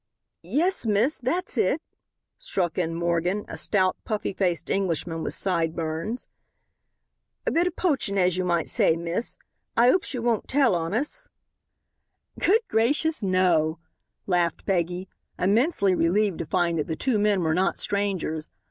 "Yes, miss, that's hit," struck in Morgan, a stout, puffy faced Englishman with "side burns." "A bit o' poaching, as you might say, miss. I 'opes you won't tell on hus." "Good gracious, no," laughed Peggy, immensely relieved to find that the two men were not strangers.